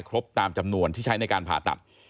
ครบตามจำนวนที่ใช้ในการผ่าตัด